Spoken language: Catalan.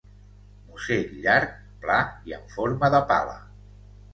Musell llarg, pla i en forma de pala.